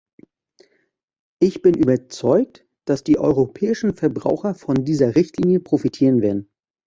Ich bin überzeugt, dass die europäischen Verbraucher von dieser Richtlinie profitieren werden.